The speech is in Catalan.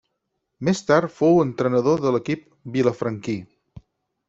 Més tard fou entrenador de l'equip vilafranquí.